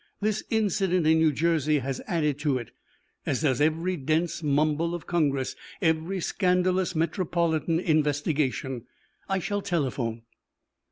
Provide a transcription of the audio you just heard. This incident in New Jersey has added to it, as does every dense mumble of Congress, every scandalous metropolitan investigation. I shall telephone."